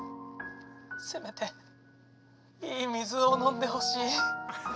せめていい水を飲んでほしい！